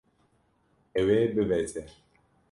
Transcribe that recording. Ew ê bibeze.